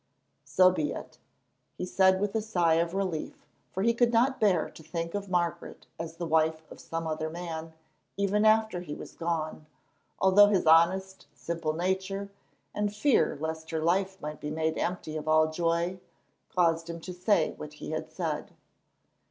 "So be it," he said with a sigh of relief, for he could not bear to think of Margaret as the wife of some other man, even after he was gone, although his honest, simple nature, and fear lest her life might be made empty of all joy, caused him to say what he had said.